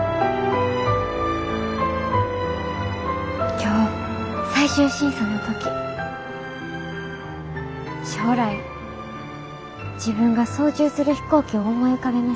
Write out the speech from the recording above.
今日最終審査の時将来自分が操縦する飛行機を思い浮かべました。